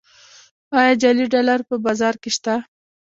آیا جعلي ډالر په بازار کې شته؟